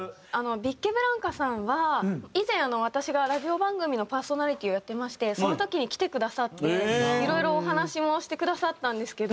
ビッケブランカさんは以前私がラジオ番組のパーソナリティーをやってましてその時に来てくださっていろいろお話もしてくださったんですけど。